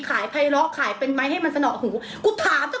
ขายพะย์ล้อขายโมไมล์ให้มันสะหนอก๊อยหลุ